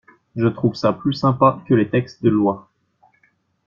Je trouve ça plus sympa que les textes de lois.